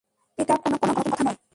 এটা কোন নতুন কথা নয়।